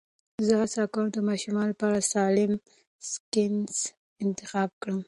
زه هڅه کوم د ماشومانو لپاره سالم سنکس انتخاب کړم.